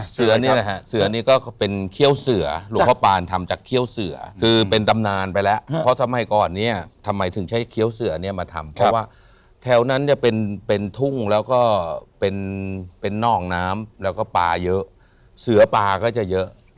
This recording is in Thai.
เสือเนี่ยนะฮะเสือนี่ก็เป็นเขี้ยวเสือหลวงพ่อปานทำจากเขี้ยวเสือคือเป็นตำนานไปแล้วเพราะสมัยก่อนเนี่ยทำไมถึงใช้เคี้ยวเสือเนี่ยมาทำเพราะว่าแถวนั้นเนี่ยเป็นเป็นทุ่งแล้วก็เป็นนอกน้ำแล้วก็ปลาเยอะเสือปลาก็จะเยอะ